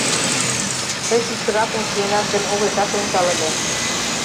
Тый шӱкшыракын чиенат гын, огешат ончал ыле...